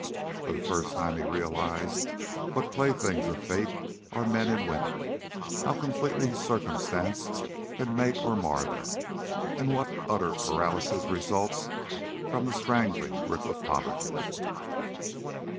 For the first time he realized what playthings of Fate are men and women, how completely circumstance can make or mar them, and what utter paralysis results from the strangling grip of poverty.